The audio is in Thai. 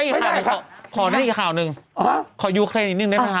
เรียกอีกข่าวหนึ่งขอยุคได้ป่ะคะ